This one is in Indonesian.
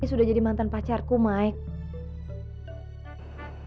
sudah jadi mantan pacarku mike